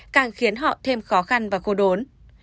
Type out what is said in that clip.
càng khiến họ thêm khó khăn và khô đốn